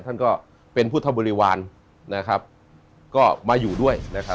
ท่านก็เป็นพุทธบริวารนะครับก็มาอยู่ด้วยนะครับ